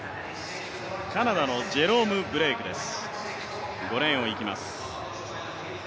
カナダのジェロム・ブレークです。